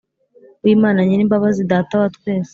W'Imana nyirimbabazi, data wa twese